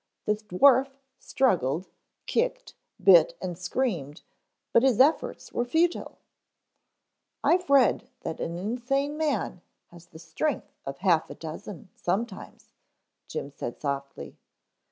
The dwarf struggled, kicked, bit and screamed but his efforts were futile. "I've read that an insane man has the strength of half a dozen sometimes," Jim said softly.